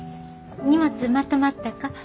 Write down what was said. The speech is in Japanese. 荷物まとまったか？